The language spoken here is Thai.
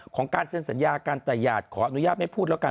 การเซ็นสัญญากันแต่หยาดขออนุญาตไม่พูดแล้วกัน